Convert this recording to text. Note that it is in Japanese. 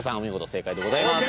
正解でございます。